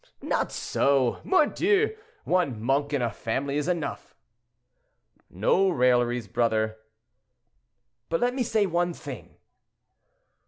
"Not so, mordieu! One monk in a family is enough." "No railleries, brother." "But let me say one thing!"